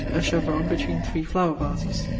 a chevron between 3 flower vases ...'